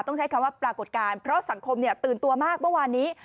ใช้คำว่าปรากฏการณ์เพราะสังคมตื่นตัวมากเมื่อวานนี้